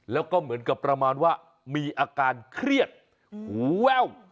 แล้วก็เหมือนกับประมาณว่ามีอาการเครียดหูแว่ว